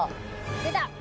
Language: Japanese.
「出た！」